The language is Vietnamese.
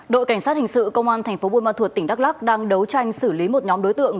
đội cảnh sát hình sự công an tp bùi ma thuật tỉnh đắk lắc đang đấu tranh xử lý một nhóm đối tượng